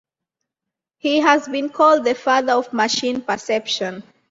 He has been called the Father of Machine Perception.